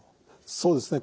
そうですね。